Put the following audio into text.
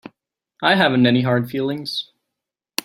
I haven't any hard feelings.